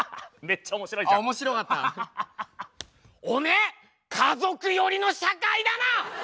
おめえ家族寄りの社会だな！